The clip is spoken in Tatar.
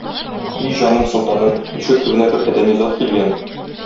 И җаным-солтаным, ишек төбенә бер адәми зат килгән.